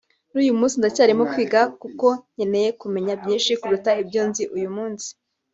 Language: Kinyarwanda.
n’uyu munsi ndacyarimo kwiga kuko nkeneye kumenya byinshi kuruta ibyo nzi uyu munsi